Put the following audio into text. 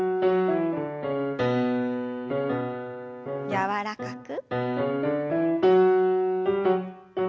柔らかく。